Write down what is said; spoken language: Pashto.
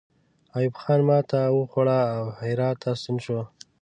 ایوب خان ماته وخوړه او هرات ته ستون شو.